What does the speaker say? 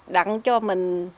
đặng cho mình